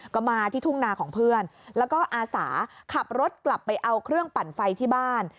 ก็มาที่ทุ่งนาของเพื่อนแล้วก็อาสาขับรถกลับไปเอาเครื่องปั่นไฟที่บ้าน